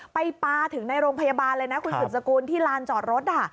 ไปปลาถึงในโรงพยาบาลเลยนะคุณสืบสกุลที่ลานจอดรถ